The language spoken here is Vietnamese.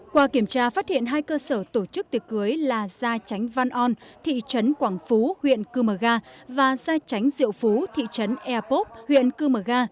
qua kiểm tra phát hiện hai cơ sở tổ chức tiệc cưới là giai tránh văn on thị trấn quảng phú huyện cư mờ ga và giai tránh diệu phú thị trấn e pop huyện cư mờ ga